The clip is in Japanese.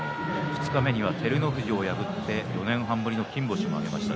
二日目には照ノ富士を破って金星を挙げました。